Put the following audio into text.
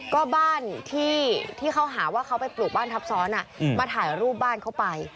ก็บ้านที่เขาหาว่าเขาไปปลูกบ้านทับซ้อนมาถ่ายรูปบ้านเขาไป